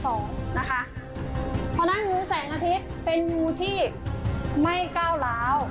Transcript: เพราะฉะนั้นงูแสงอาทิตย์เป็นงูที่ไม่ก้าวร้าว